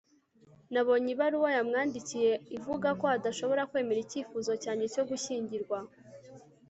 Nabonye ibaruwa yamwandikiye ivuga ko adashobora kwemera icyifuzo cyanjye cyo gushyingirwa